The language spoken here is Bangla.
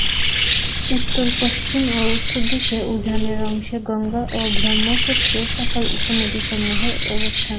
উত্তর পশ্চিম ও উত্তর দিকে উজানের অংশে গঙ্গা ও ব্রহ্মপুত্রের সকল উপনদীসমূহের অবস্থান।